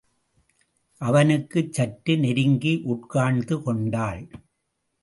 அவனுக்குச் சற்று நெருங்கி உட்கார்ந்து கொண்டாள்.